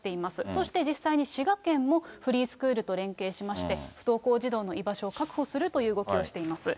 そして実際に滋賀県もフリースクールと連携しまして、不登校児童の居場所を確保するという動きをしています。